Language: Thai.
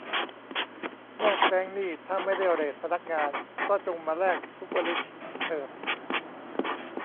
แลกแบงค์นี่ถ้าไม่ได้เรทพนักงาน ก็จงมาแลกซุปเปอร์ริชเถิด